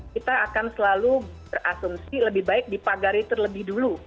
kita akan selalu berasumsi lebih baik dipagari terlebih dulu